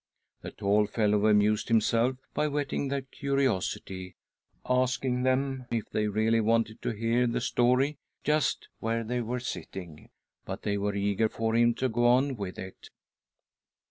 The tall fellow amused himself by whetting their curiosity, asking them if they really wanted to hear the story just where they were sitting ; but they were eager for him. to go on with it.